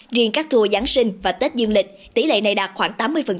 riêng các tour giáng sinh và tết dương lịch tỷ lệ này đạt khoảng tám mươi